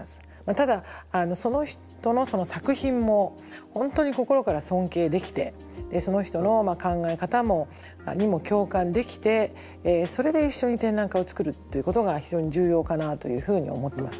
ただその人の作品も本当に心から尊敬できてその人の考え方にも共感できてそれで一緒に展覧会を作るっていうことが非常に重要かなというふうに思ってます。